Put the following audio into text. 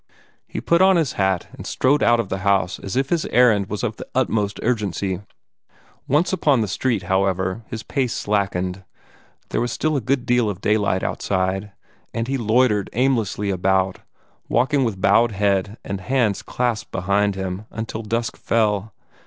He put on his hat, and strode out of the house as if his errand was of the utmost urgency. Once upon the street, however, his pace slackened. There was still a good deal of daylight outside, and he loitered aimlessly about, walking with bowed head and hands clasped behind him, until dusk fell.